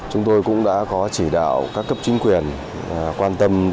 chúng tôi cũng đã có chỉ đạo các cấp chính quyền quan tâm